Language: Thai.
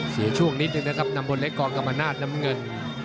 ช่วงนิดนึงนะครับนำพลเล็กกองกรรมนาศน้ำเงิน